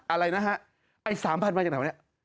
อะไรนะฮะไอ้๓๐๐๐บาทจากไหนคะ